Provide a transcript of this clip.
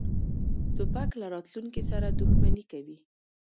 توپک له راتلونکې سره دښمني کوي.